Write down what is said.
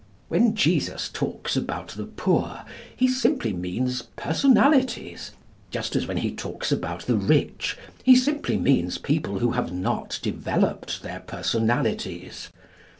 When Jesus talks about the poor he simply means personalities, just as when he talks about the rich he simply means people who have not developed their personalities.